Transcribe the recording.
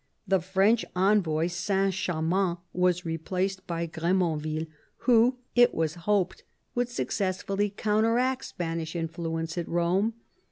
The French envoy Saint Chamand was replaced by Gr^monville, who, it was hoped, would successfully counteract Spanish influence at Rome.